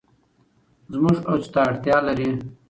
زموږ هڅو ته اړتیا لري.